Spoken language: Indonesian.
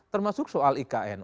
termasuk soal ikn